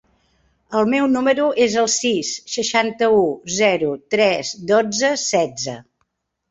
El meu número es el sis, seixanta-u, zero, tres, dotze, setze.